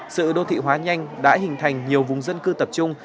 sự đô thị hóa nhanh đã hình thành nhiều vùng dân cư tập trung